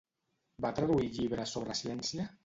Va traduir llibres sobre ciència?